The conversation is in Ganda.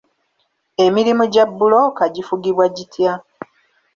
Emirimu gya bbulooka gifugibwa gitya?